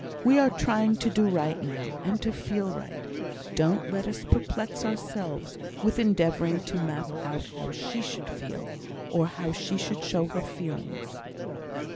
We are trying to do right now, and to feel right; don't let us perplex ourselves with endeavouring to map out how she should feel, or how she should show her feelings."